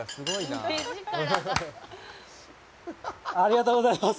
ありがとうございます！